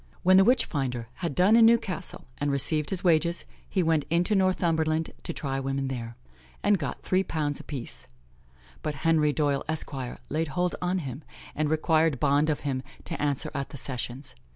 "When the witch finder had done in Newcastle, and received his wages, he went into Northumberland to try women there, and got three pounds a piece; but Henry Doyle, Esq., laid hold on him, and required bond of him to answer at the Sessions.